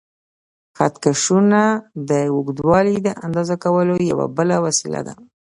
خط کشونه د اوږدوالي د اندازه کولو یوه بله وسیله ده.